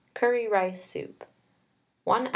CURRY RICE SOUP. 1 oz.